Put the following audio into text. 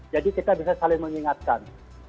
jadi kita bisa saling mengingatkan